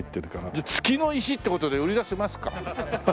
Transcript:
じゃあ月の石って事で売り出せますか？